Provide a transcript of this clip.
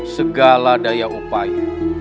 segala daya upaya